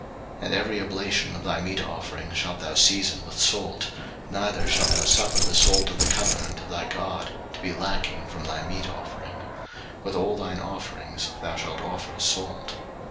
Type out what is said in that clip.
03:002:013 And every oblation of thy meat offering shalt thou season with salt; neither shalt thou suffer the salt of the covenant of thy God to be lacking from thy meat offering: with all thine offerings thou shalt offer salt.